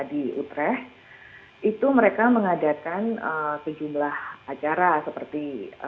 di utrech itu mereka mengadakan sejumlah acara seperti